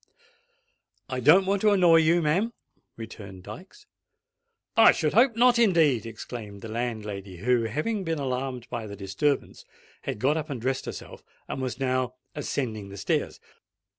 "I don't want to annoy you, ma'am," returned Dykes. "I should hope not, indeed!" exclaimed the landlady, who, having been alarmed by the disturbance, had got up and dressed herself, and was now ascending the stairs.